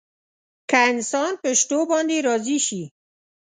که انسان په شتو باندې راضي شي.